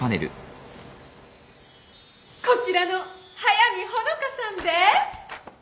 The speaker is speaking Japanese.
こちらの速見穂香さんです！